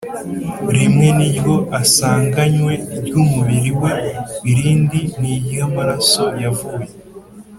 rimwe ni iryo asanganywe ry’umubiri we irindi ni iry’amaraso yavuye